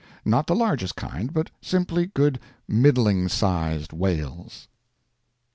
Not the largest kind, but simply good middling sized whales.